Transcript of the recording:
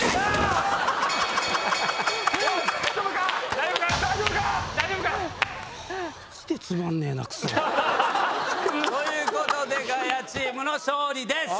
・大丈夫か⁉・・大丈夫か⁉・ということでガヤチームの勝利です。